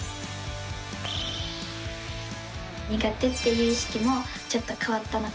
苦手っていう意識もちょっと変わったのかなと。